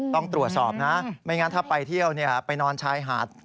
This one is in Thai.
ต้องตรวจสอบนะไม่งั้นถ้าไปเที่ยวไปนอนชายหาด